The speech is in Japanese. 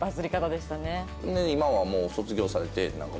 で今はもう卒業されて。